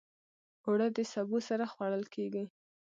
اوړه د سبو سره خوړل کېږي